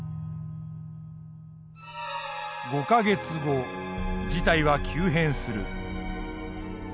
５か月後事態は急変する。